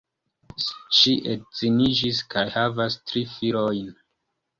Ŝi edziniĝis kaj havas tri filojn.